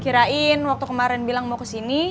kirain waktu kemarin bilang mau kesini